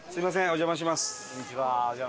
お邪魔します。